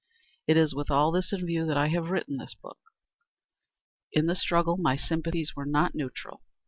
It is with this in view that I have written this book. In the struggle my sympathies were not neutral.